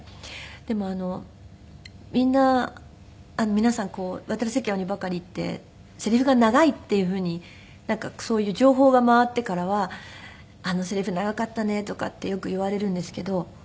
でもみんな皆さん『渡る世間は鬼ばかり』ってセリフが長いっていうふうにそういう情報が回ってからは「あのセリフ長かったね」とかってよく言われるんですけど。